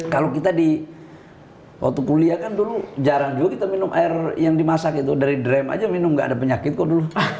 waktu kuliah kan dulu jarang juga kita minum air yang dimasak gitu dari drem aja minum nggak ada penyakit kok dulu